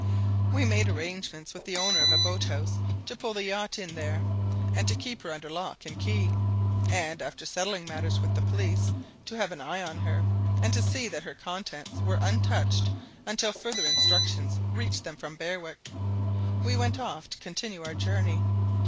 We made arrangements with the owner of a boat house to pull the yacht in there, and to keep her under lock and key, and, after settling matters with the police to have an eye on her, and see that her contents were untouched until further instructions reached them from Berwick, we went off to continue our journey.